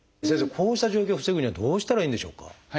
こうした状況を防ぐにはどうしたらいいんでしょうか？